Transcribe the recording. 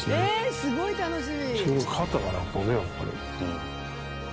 すごい楽しみ。